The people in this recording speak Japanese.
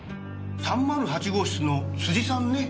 ３０８号室の辻さんね。